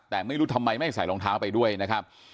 แต่ไม่รู้ทำไมไม่ใส่รองเท้าไปด้วยนะครับ